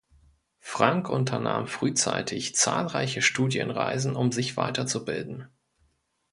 Frank unternahm frühzeitig zahlreiche Studienreisen um sich weiterzubilden.